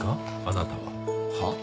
あなたは。はあ？